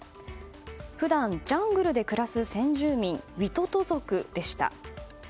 普段、ジャングルで暮らす先住民族ウィトト族でした。